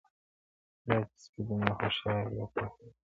دا چي سپی دومره هوښیار دی او پوهېږي,